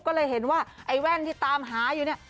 ก็เลยเห็นว่าไอ้แว่นที่ตามหาอยู่เนี่ย